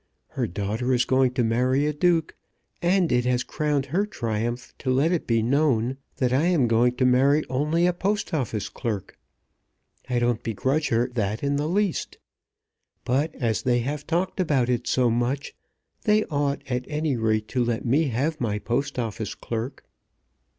Her daughter is going to marry a duke, and it has crowned her triumph to let it be known that I am going to marry only a Post Office clerk. I don't begrudge her that in the least. But as they have talked about it so much, they ought, at any rate, to let me have my Post Office clerk."